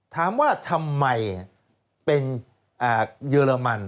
ถามว่าทำไมเป็นเยอรมัน